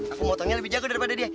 aku motongnya lebih jago daripada dia